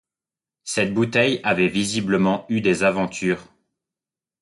Cette bouteille avait visiblement eu des aventures.